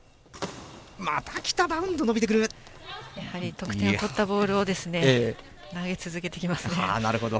得点を取ったボールを投げ続けてきますね。